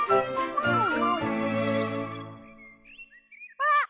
あっ！